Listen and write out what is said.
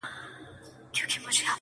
بيا هم وچكالۍ كي له اوبو سره راوتـي يـو!